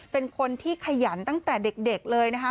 เป็นคนที่ขยันตั้งแต่เด็กเลยนะคะ